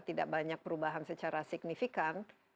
tidak banyak perubahan secara signifikan